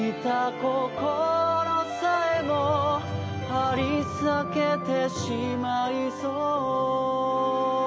「はりさけてしまいそう」